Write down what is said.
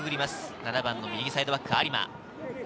７番、右サイドバック・有馬。